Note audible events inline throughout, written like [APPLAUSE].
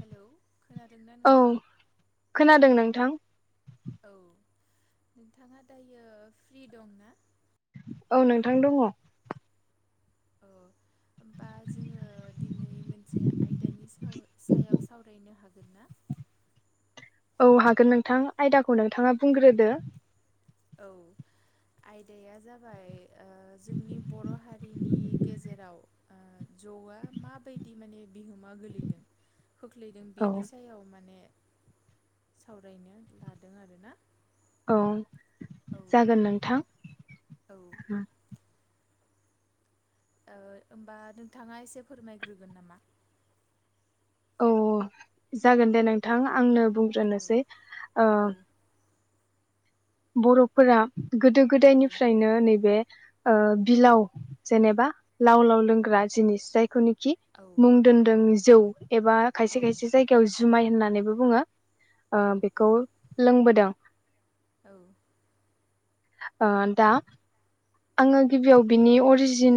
Hello खोनादोंना औ नोंथां? खोनादों नोंथां औ नोंथाङा दायो फ्रि दं ना? औ नोंथां दङ। औ होमबा जोङो दिनै मोनसे आयदानि साव सायाव सावरायनो हागोन ना? औ हागोन नोंथां आयदाखौ नोंथाङा बुंग्रोदो। औ आयदाया जाबाय ओ जोंनि बर' हारिनि गेजेराव ओ जौ आ माबायदि माने बिहोमा गोलैदों। खोख्लैदों औ बेनि सायाव माने सावरायनो लादों आरोना। औ। औ जागोन नोंथां। ओ ओ होमबा नोंथाङा एसे फोरमायग्रोगोन नामा? औ जागोन दे नोंथां आंनो बुंग्रोनोसै ओ औ बर'फोरा गोदो गोदायनिफ्रायनो नैबे ओ बिलाव जेनेबा लाव लाव लोंग्रा जिनिस जायखौनि खि औ मुं दोनदों जौ एबा औ खायसे खायसे जायगायाव ज जुमाय होननानैबो बुङो। औ ओ औ बेखौ लोंबोदों औ ओ दा आङो गिबियाव बिनि अरिजिन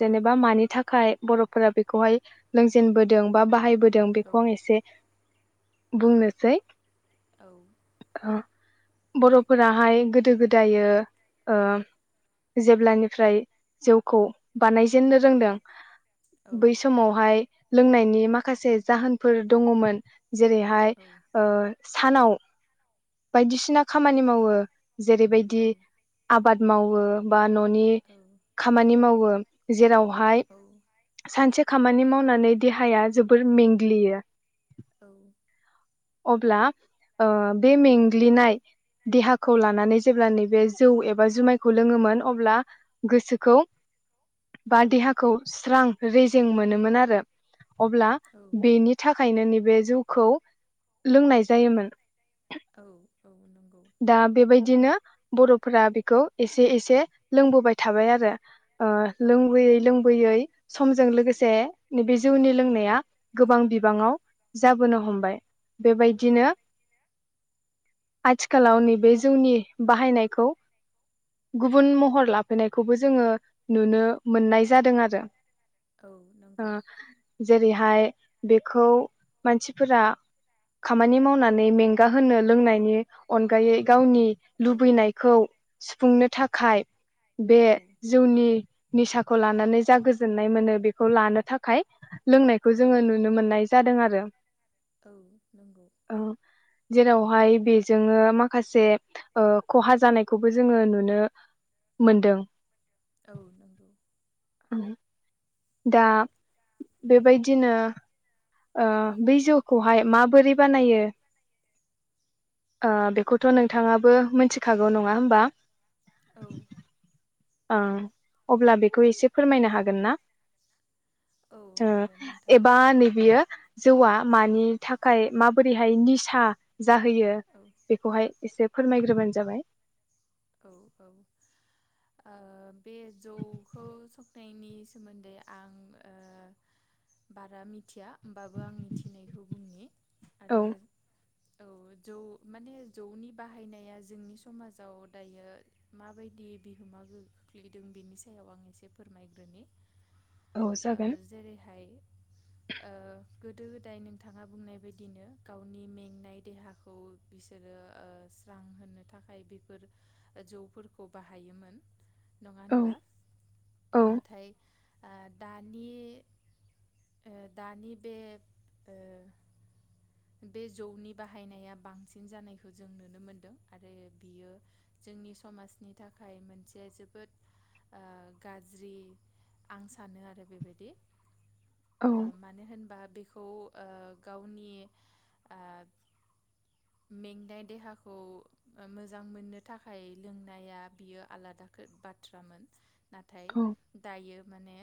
जेनेबा मानि थाखाय बर'फोरा बेखौहाय लोंजेनबोदों बा बाहायबो दों बेखौ आं एसे बुंनोसै औ ओ बर'फोराहाय गोदो गोद दायो ओ जेब्लानिफ्राय जौखौ बानायजेननो रोंदों बै समावहाय लोंनायनि माखासे जाहोनफोर दङ'मोन। जेरैहाय ओ सानाव बायदिसिना खामानि मावो जेरैबाय दि आबाद मावो बा न' नि खामानि मावो। जेराव हाय सानसे खामानि मावनानै देहाया जोबोर मेंग्लियो। औ अब्ला ओ बे मेंग्लिनाय देहाखौ लानानै जेब्ला नैबे जौ एबा जुमायखौ लोङोमोन अब्ला गोसोखौ बा देहाखौ स्रां रेजें मोनोमोन आरो। अब्ला औ बेनि थाखायनो नैे बे जौखौ लोंनाय जायोमोन। औ नंगौ दा बेबायदिनो बर'फोरा बेखौ एसे एसे लोंबोबाय थाबाय आरो। ओ औ लोंबोयै लोंबोयै समजों लोगोसे नैबे जौनि लोंनाया गोबां औ बिबाङाव जाबोनो हमबाय। औ नंगौ औ बेबायदिनो आथिखालाव नैबे जोंनि बाहायनायखौ गुबुन महर लाफैनाय खौबो जोंङो नुनो मोननाय जादों आरो। नंगौ औ जेरै हाय बेखौ मानसिफोरा खामानि मावनानै मेंगा होनो लोंनायनि अनगायै गावनि लुबैनायखौ सुफुंनो थाखाय बे जौनि निसा खौ लानानै जा गोजोननाय मोनो बेखौ लानो थाखाय लोंनायखौ जोंङो नुनो मोननाय जादों आरो। औ नंगौ। ओ जेरावहाय बेजोंनो माखासे ओ खहा जानायखौबो जोंङो नुनो मोनदों। औ नंगौ। औ दा बेबायदिनो ओ बै जौखौहाय माबोरै बानायो ओ बेखौथ' नोंथांङाबो मोन्थिखागौ नंङा होमबा? औ ओं अब्ला बेखौ एसे फोरमायनो हागोन ना? औ हो हागोन नोंथां एबा नै बियो जौआ मानि थाखाय माबो रैहाय निसा जाहोयो औ बेखौहाय एसे फोरमायग्रोबानो जाबाय। औ औ आरो औ औ जौ माने जौ नि बाहायनाया जोंनि समाजाव दायो माबायदि बिहोमा गोख्लैदों बेनि सायाव आं एसे फोरमायग्रोनि। औ ओ जागोन जेरैहाय ओ गोदो गोदाय नोंथांङा बुंनाय बायदिनो गावनि मेंनाय देहाखौ बिसोरो ओ स्रां होनो थाखाय बिफोर ओ जौ फोरखौ बाहायोमोन। नंङा औ होनबा? औ नाथाय आ दानि ओ दानि बे ओ बे जौ नि बाहायनाया बांसिन जानायखौ जों नुनो मोनदों, आरो बियो जोंनि समाजनि थाखाय मोनसे जोबोद आ गाज्रि आं सानो आरो बे बायदि औ ओ मानो होनबा बेखौ खौ ओ गावनि ओ मेंनाय देहाखौ ओ मोजां मोननो थाखाय लोंनाया बियो आलादा खो-बाथ्रामोन। नाथाय औ दायो माने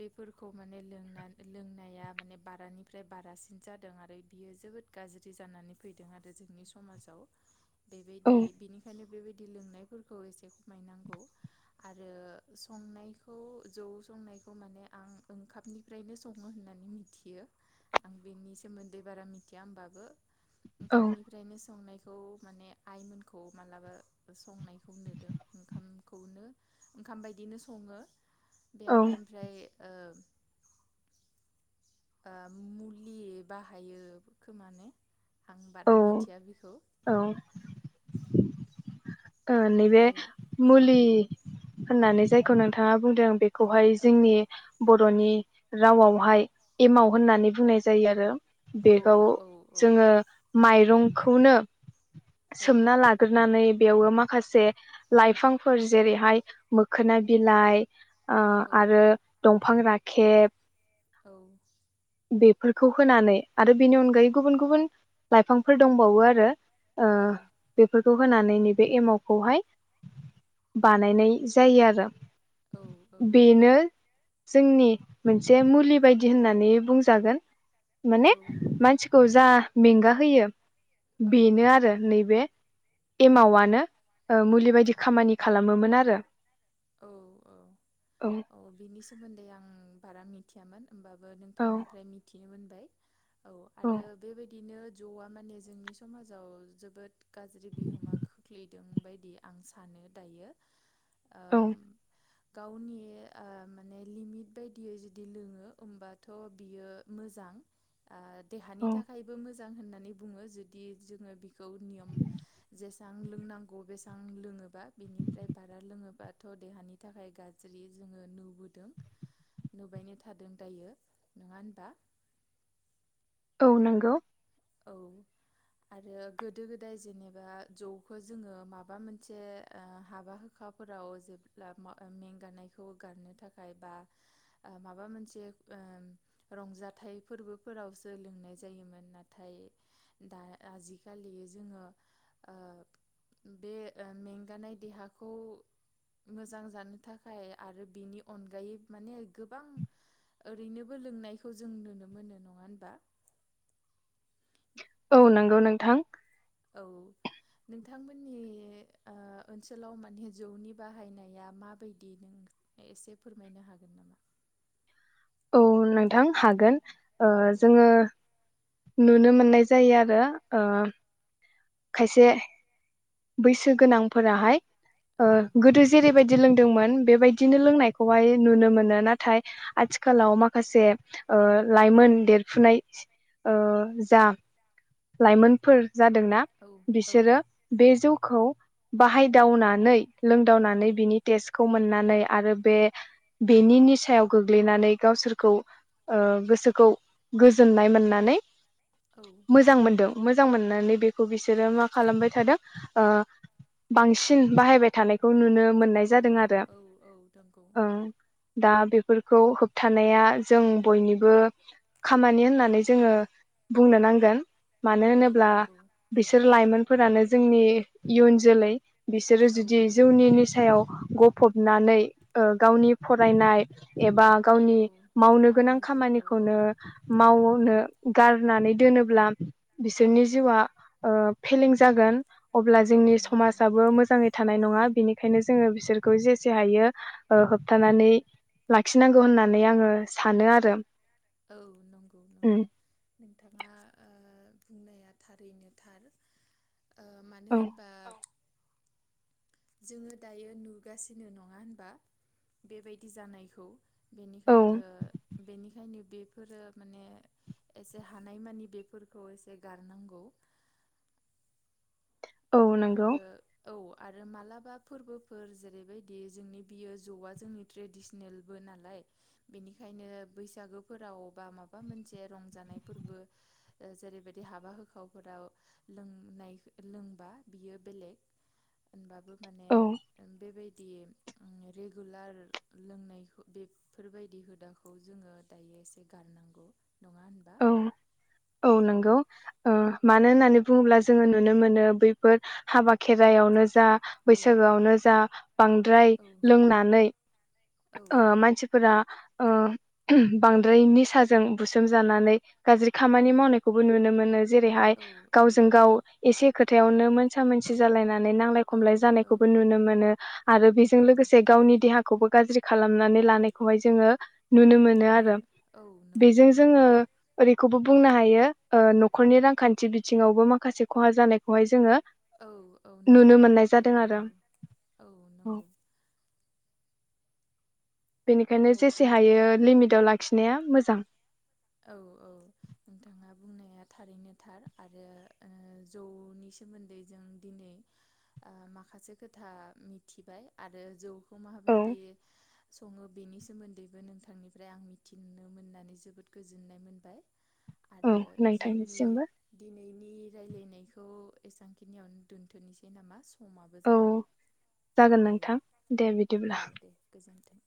बेफोरखौ माने लोंनान लोंनाया माने बारानिफ्राय बारासिन जादों आरो बियो जोबोद गाज्रि जानानै फैदों आरो जोंनि समाजाव औ बेबायदि बिनिखायनो बेबायदि लोंनायफोरखौ एसे खमायनांगौ आरो संनायखौ जौ संनायखौ माने आं ओंखामनिफ्रायनो सङो होननानै मिथियो आं बेनि सोमोन्दै बारा मिथिया होमबाबो ओंखामनिफ्रायनो संनाय खौ माने आइमोनखौ मालाबा संनायखौ नोदों ओंखामखौनो ओंखाम बायदिनो सङो। औ बेवहाय ओमफ्राय ओ ओ मुलि बाहायो खोमा ने? आं औ बारा मिथिया बेखौ औ। ओ नैबे बे मुलि होननानै जायखौ नोंथाङा बुंदों बे खौहाय औ जोंनि बर' बर'नि रावावहाय एमाव होननानै बुंनाय जायो आरो। औ बेखौ औ औ जोङो माइरं खौनो सोमना लाग्रोनानै बेवबो माखासे लाइफांफोर जेरैहाय मोखोना बिलाइ, ओ आरो दं फां राखेब, औ बेफोरखौ होनानै आरो बेनि अनगायै गुबुन गुबुन लाइफांफोर दंबावो आरो ओ बेफोर बेखौ होनानै नैबे एमावखौहाय बानायनाय जायो आरो औ औ बेनो जोंनि मोनसे मुलि बायदि होननानै बुंजागोन। माने मानसिखौ जा मेंगा होयो। बेनो आरो नैबे एमावानो मुलि बायदि खामानि खालामोमोन आरो औ औ औ बिनि सोमोन्दै आं बारा मि थियामोन। होमबाबो औ नोंथांनिफ्राय मिथिनो मोनबाय। औ आरो बे बायदिनो जौवा माने जोंनि समाजाव जोबोद गाज्रि बिहोमा खोख्लै दों बायदि आं सानो दायो। ओ औ गावनि ओ माने लिमिट बायदियै जुदि लोङो होमबाथ' बियो मोजां। आ औ देहानि थाखायबो मो जां होननानै बुङो जुदि जोङो बिखौ नियम जेसां लोंनांगौ बेसां लोङोबा बिनिफ्राय बारा लोङोबा थ' देहानि थाखाय गाज्रि जोङो नुबोदों नुबायनो थादों दायो। नोङा होनबा? औ नंगौ। औ आरो गोदो गोदाय जेनेबा जौखौ जोङो माबा मोनसे ओ हाबा होखाफोराव जेब्ला मेंगानायखौ गारनो थाखाय बा माबा मोनसे ओ रंजाथाइ फोरबोफोरावसो लोंनाय जायोमोन ना थाय दा आजिखालि जोङो ओ बे मेंगानाय देहाखौ मोजां जानो थाखाय आरो बेनि अनगायै माने गोबां ओरैनोबो लोंनायखौ जों नुनो मोनो। नङा होनबा? औ नंगौ नोंथां। औ नोंथांमोननि ओ ओनसोलाव माने जौनि बाहायनाया माबायदि नों एसे फोरमायनो हागोन नामा? औ नोंथां हागोन। ओ औ जोङो नुनो मोननाय जायो आरो ओ खायसे बैसो गोनांफोराहाय ओ औ गोदो जेरैबायदि दि लोंदोंमोन बेबायदिनो लोंनायखौहाय नुनो मोन नो नाथाय आथिखालाव माखासे ओ लाइमोन देरफुनाय ओ जा लाइमोनफोर जादोंना औ बिसोरो बे जौ खौ बाहायदावनानै औ लोंदावनानै बिनि टेस्ट खौ मोननानै आरो बे बेनि निसायाव गोग्लैनानै गावसोरखौ ओ गोसोखौ गोजोननाय मोननानै औ मोजां मोनदों मोजां मोननानै बेखौ बिसोरो मा खालामबाय थादों ओ बांसिन बाहायबाय थानायखौ नुनो मोननाय औ जादों आरो औ औ नंगौ ओं दा बे फोरखौ होबथानाया जों बयनिबो खामानि होननानै जोङो बुंनो नांगोन [INAUDIBLE] मानो औ होनोब्ला नंगौ बिसोर लाइमोन फोरानो जोंनि इयुन जोलै बिसोरो औ जुदि नंगौ जौनि निसायाव गफबनानै ओ गावनि फरायनाय एबा गावनि औ मावनो गोनां खामानिफोरखौ औ खामानिखौनो औ मावनो नंगौ गारनानै दोनो ब्लाम औ बिसोरनि जिउआ ओ फेलें जागोन अब्ला औ जोंनि नंगौ समाजाबो मोजाङै थानाय नङा बिनि खायनो जोङो बिसोरखौ जेसे हायो हो होबथानानै लाखिनांगौ होननानै आङो सानो आरो। औ नंगौ उम नंगौ नोंथाङा ओ। बुंनाया थारैनो थार। ओ मानो औ होनबा औ। जोङो दायो नुगासिनो नङा होनबा बेबायदि जानायखौ औ बेनिखायनो बेनिखायनो बेफोरो माने एसे हानायमानि बेफोरखौ एसे गारनांगौ औ नंगौ आरो औ। आरो मालाबा फोरबोफोर जेरैबायदि जोंनि बियो ज'आ जोंनि ट्रेडिसनेलबो नालाय बेनिखायनो बैसागोफोराव बा माबा मोनसे रंजानाय फोरबो जेरैबायदि हाबा होखावफोराव लोंनाय लोंबा बियो बेलेग होनबाबो माने औ बेबाय जुदि रेगुलार लोंनाय बेफोरबायदि हुदाखौ जोङो दायो एसे गारनांगौ। नङा होनबा औ औ नंगौ ओ मानो होननानै बुङोब्ला जोङो नुनो मोनो बैफोर हाबा खेरायावनो जा बैसागोआवनो जा बांद्राय औ लोंनानै औ औ ओ मानसिफोरा ओ बांद्राय निसाजों बुसोम जानानै गाज्रि औ खामानि मावनायखौबो नुनो मोनो जेरैहाय औ गावजों गाव एसे खोथायावनो मोनसा मोनसि जालायनानै नांलाय औ खमलाय जानायखौबो नुनों मोनो आरो बेजों औ लोगोसे गावनि देहा खौबो गाज्रि खालामनानै लानायखौहाय जोङो नुनो मोनो आरो औ नंगौ बेजों जोङो नंगौ। ओरैखौबो बुंनो हायो ओ न'खरनि रांखान्थि बिथिङावबो माखासे खहा जानायखौहाय जोङो औ औ नुनो मोनो मोननाय जादों औ आरो नंगौ औ नंगौ बेनिखायनो औ जेसे नोंथाङा हायो लिमिटाव लाखिनाया मोजां। औ औ नोंथाङा बुंनाया थारैनो थार आरो ओ जौनि सोमोन्दै जों दिनै माखासे खोथा मिथिबाय आरो जौ मा औ बायदि सं बेनि सोमोन्दैबो नोंथांनिफ्राय आं मिथिनो मोननानै जोबोद गोजोननाय मोनबाय। औ आरो जोंनि नोंथांनिसिमबो दिनै दिनैनिनि रायलायनायखौ एसेबांखिनियावनो दोन्थ'नोसै नामा समाबो औ जाबाय जागोन औ नोंथां दे बिदिब्ला औ दे गोजोन्थों।